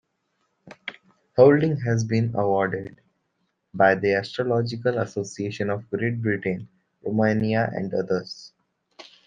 Houlding has been awarded by the Astrological Associations of Great Britain, Romania, and others.